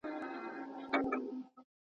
واکسینونه څنګه ساتل کیږي؟